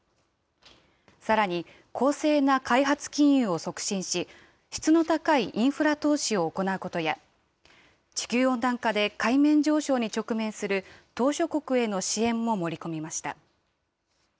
さらに公正な開発金融を促進し、質の高いインフラ投資を行うことや、地球温暖化で海面上昇に直面する島しょ国への支援も盛り込みました。